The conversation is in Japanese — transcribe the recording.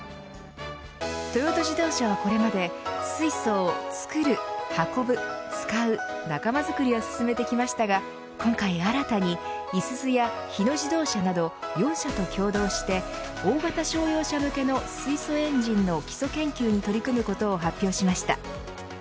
トヨタ自動車はこれまで水素を作る、運ぶ、使う仲間づくりを進めてきましたが今回新たに、いすゞや日野自動車など４社と共同して大型商用車向けの水素エンジンの基礎研究に取り組むことを発表しました。